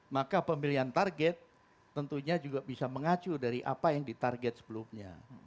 maka pemilihan target tentunya juga bisa mengacu dari apa yang ditarget sebelumnya